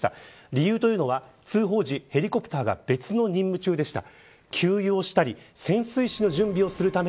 理由というのは、通報時ヘリコプターが別の任務中でした。